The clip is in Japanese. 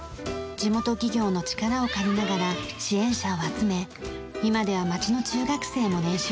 地元企業の力を借りながら支援者を集め今では町の中学生も練習に参加。